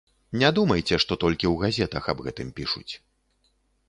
Не думайце, што толькі ў газетах аб гэтым пішуць.